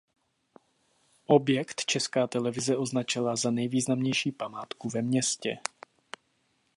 Objekt Česká televize označila za nejvýznamnější památku ve městě.